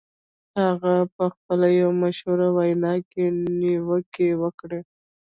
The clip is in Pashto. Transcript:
هغه په خپله یوه مشهوره وینا کې نیوکې وکړې